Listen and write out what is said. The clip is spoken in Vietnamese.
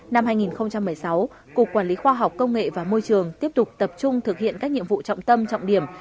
năm hai nghìn một mươi sáu cục quản lý khoa học công nghệ và môi trường tiếp tục tập trung thực hiện các nhiệm vụ trọng tâm trọng điểm